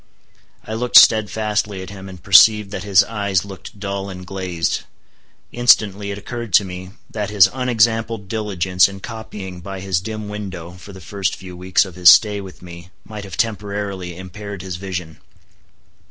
I looked steadfastly at him, and perceived that his eyes looked dull and glazed. Instantly it occurred to me, that his unexampled diligence in copying by his dim window for the first few weeks of his stay with me might have temporarily impaired his vision.